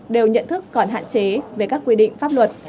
đều nhận thức còn hạn chế về các quy định pháp luật